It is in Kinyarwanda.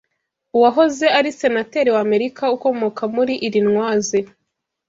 Uwahoze ari senateri w’Amerika ukomoka muri Ilinwaze